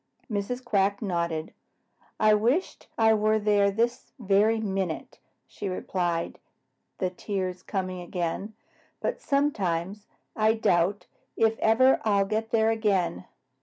Mrs. Quack nodded. "I wish I were there this very minute," she replied, the tears coming again. "But sometimes I doubt if ever I'll get there again.